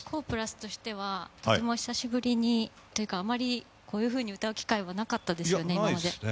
ＫＯＨ＋としては、とても久しぶりにというかあまりこういうふうに歌う機会はなかったですよね。